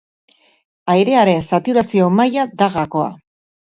Airearen saturazio maila da gakoa.